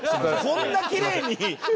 こんなきれいに。